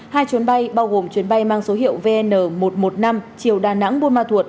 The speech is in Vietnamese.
hai chuyến bay bao gồm chuyến bay mang số hiệu vn một trăm một mươi năm chiều đà nẵng buôn ma thuột